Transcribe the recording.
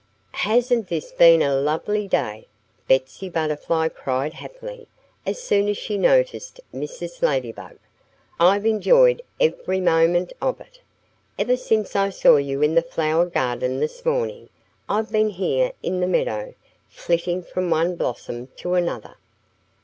"Hasn't this been a lovely day?" Betsy Butterfly cried happily, as soon as she noticed Mrs. Ladybug. "I've enjoyed every moment of it. Ever since I saw you in the flower garden this morning I've been here in the meadow, flitting from one blossom to another."